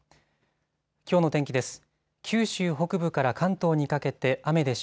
きょうの天気です。